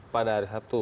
pada hari sabtu